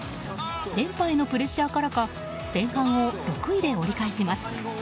連覇へのプレッシャーからか前半を６位で折り返します。